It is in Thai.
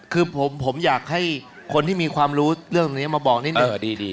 คือผมอยากให้คนที่มีความรู้เรื่องนี้มาบอกนิดหนึ่งดี